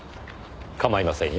かまいませんよ。